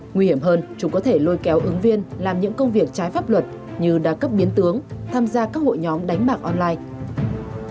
nguy hiểm hơn chúng có thể lôi kéo ứng viên làm những công việc trái pháp luật như đa cấp biến tướng tham gia các hội nhóm đánh bạc online